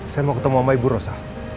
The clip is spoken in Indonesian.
saya mau ketemu sama ibu rosa